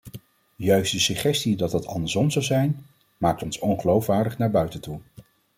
Juist de suggestie dat het andersom zou zijn, maakt ons ongeloofwaardig naar buiten toe.